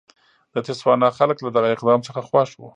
د تسوانا خلک له دغه اقدام څخه خوښ وو.